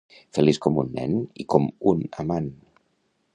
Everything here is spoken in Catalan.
Feliç com un nen, i com un amant.